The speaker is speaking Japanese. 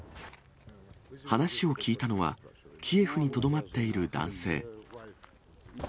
話を聞いたのは、キエフにとどまっている男性。